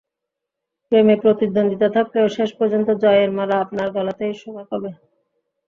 প্রেমে প্রতিদ্বন্দ্বিতা থাকলেও শেষ পর্যন্ত জয়ের মালা আপনার গলাতেই শোভা পাবে।